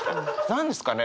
何ですかね？